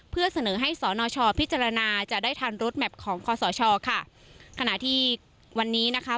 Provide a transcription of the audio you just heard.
เพื่อเสนอให้สนชพิจารณาจะได้ทันรถแมพของคอสชค่ะขณะที่วันนี้นะคะ